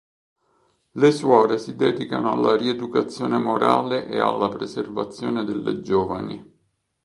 Le suore si dedicano alla rieducazione morale e alla preservazione delle giovani.